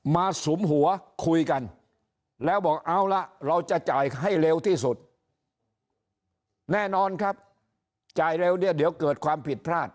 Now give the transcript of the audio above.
สุมหัวคุยกันแล้วบอกเอาละเราจะจ่ายให้เร็วที่สุดแน่นอนครับจ่ายเร็วเนี่ยเดี๋ยวเกิดความผิดพลาด